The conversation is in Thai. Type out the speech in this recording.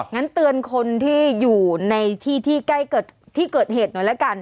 งั้นเตือนคนที่อยู่ในที่ที่ใกล้ที่เกิดเหตุหน่อยละกัน